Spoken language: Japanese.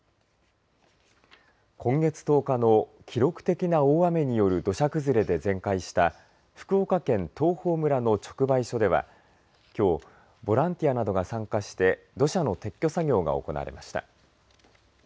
今月１０日の記録的な大雨による土砂崩れで全壊した福岡県東峰村の直売所ではきょう、ボランティアなどが参加して土砂の撤去作業が行われました。